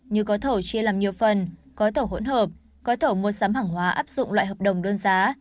như gói thầu chia làm nhiều phần gói thầu hỗn hợp gói thầu mua sắm hàng hóa áp dụng loại hợp đồng đơn giá